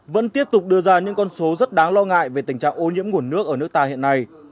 vẫn tiếp tục đưa ra những con số rất đáng lo ngại về tình trạng ô nhiễm nguồn nước ở nước ta hiện nay